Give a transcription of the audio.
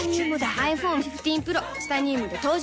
ｉＰｈｏｎｅ１５Ｐｒｏ チタニウムで登場